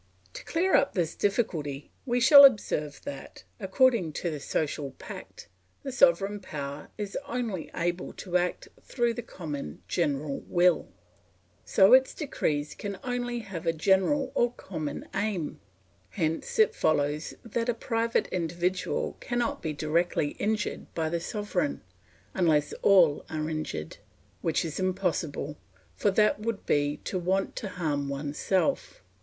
To clear up this difficulty, we shall observe that, according to the social pact, the sovereign power is only able to act through the common, general will; so its decrees can only have a general or common aim; hence it follows that a private individual cannot be directly injured by the sovereign, unless all are injured, which is impossible, for that would be to want to harm oneself.